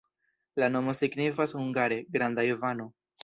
La nomo signifas hungare: granda Ivano.